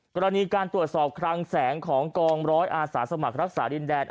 กรณีการตรวจสอบคลังแสงของกองร้อยอาสาสมัครรักษาดินแดน